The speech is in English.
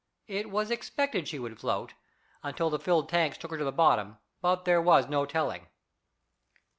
It was expected she would float, until the filled tanks took her to the bottom, but there was no telling.